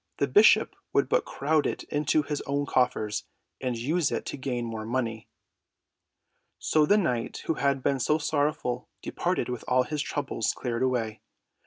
The bishop would but crowd it into his own coffers, and use it to gain more money." So the knight who had been so sorrowful departed with all his troubles cleared away.